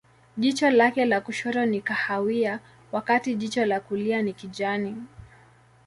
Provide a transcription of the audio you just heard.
Jicho lake la kushoto ni kahawia, wakati jicho la kulia ni kijani.